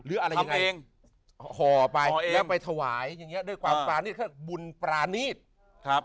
หรือฮ่อไปแล้วไปถวายด้วยความปลานีท